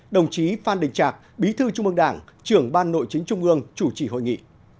đồng chí phan đình trạc bí thư trung ương đảng trưởng ban nội chính trung ương chủ trì hội nghị